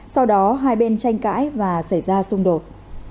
sau đó hai bên tranh cãi và xảy ra xung đột